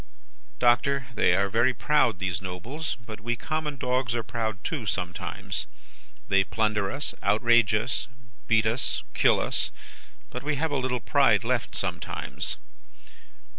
"'Doctor, they are very proud, these Nobles; but we common dogs are proud too, sometimes. They plunder us, outrage us, beat us, kill us; but we have a little pride left, sometimes.